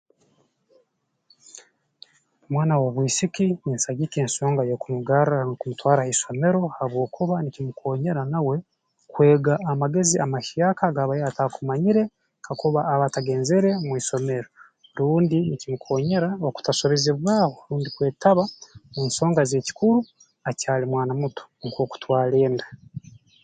Omwana w'obwisiki ninsagika ensonga y'okumugarra rundi kumutwara ha isomero habwokuba nikimukoonyera nawe kwega amagezi amahyaka aga abaire ataakumanyire kakuba aba atagenzere mu isomero rundi nikimukoonyera okutasobezebwaho rundi kwetaba omu nsonga z'ekikuru akyali mwana muto nk'okutwara enda